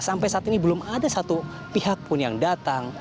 sampai saat ini belum ada satu pihak pun yang datang